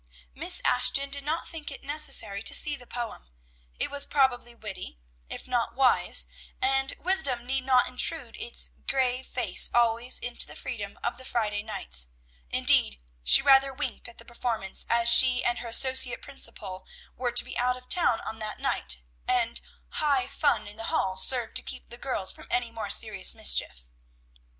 Miss Ashton did not think it necessary to see the poem. It was probably witty, if not wise, and wisdom need not intrude its grave face always into the freedom of the Friday nights; indeed, she rather winked at the performance, as she and her associate principal were to be out of town on that night, and "high fun" in the hall served to keep the girls from any more serious mischief.